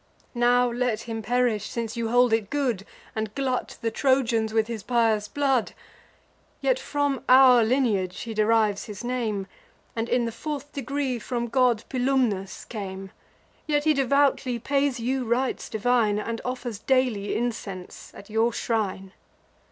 Now let him perish, since you hold it good, And glut the Trojans with his pious blood. Yet from our lineage he derives his name, And, in the fourth degree, from god Pilumnus came; Yet he devoutly pays you rites divine, And offers daily incense at your shrine."